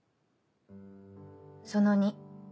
「その２。